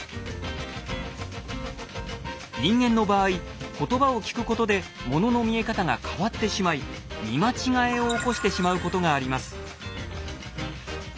人間の場合言葉を聞くことでものの見え方が変わってしまい見間違えを起こしてしまうことがあります。